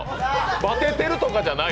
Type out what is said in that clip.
バテてるとかじゃない。